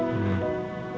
tidak ada apa apa